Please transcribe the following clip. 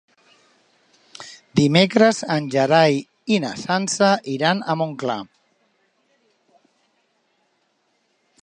Dimecres en Gerai i na Sança iran a Montclar.